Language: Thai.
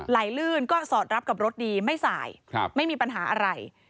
ลื่นก็สอดรับกับรถดีไม่สายไม่มีปัญหาอะไร